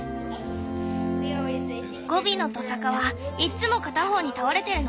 ゴビのトサカはいっつも片方に倒れてるの。